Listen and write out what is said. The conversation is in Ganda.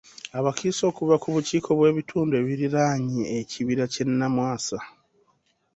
Abakiise okuva ku bukiiko bw'ebitundu ebiriraanye Ekibira ky'e Namwasa.